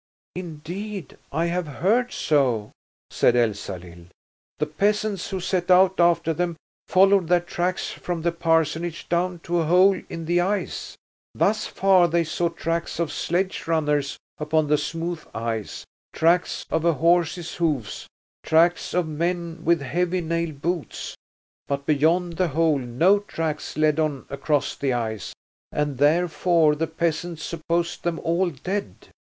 "Indeed, I have heard so," said Elsalill. "The peasants who set out after them followed their tracks from the parsonage down to a hole in the ice. Thus far they saw tracks of sledge runners upon the smooth ice, tracks of a horse's hoofs, tracks of men with heavy nailed boots. But beyond the hole no tracks led on across the ice, and therefore the peasants supposed them all dead."